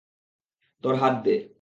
তোর হাত দে।